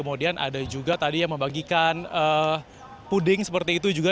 kemudian ada juga tadi yang membagikan puding seperti itu juga